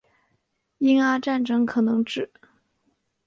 英阿战争可能指